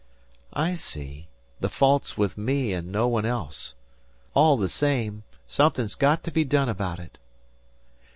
"I see. The fault's with me and no one else. All the same, something's got to be done about it."